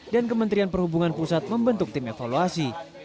dan kementerian perhubungan pusat membentuk tim evaluasi